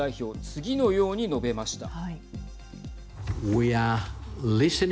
次のように述べました。